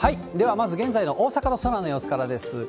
ではまず現在の大阪の空の様子からです。